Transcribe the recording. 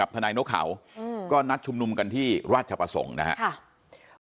กับธนายโน้ทเขาอืมก็นัดชุมนุมกันที่ราชประสงค์นะฮะค่ะ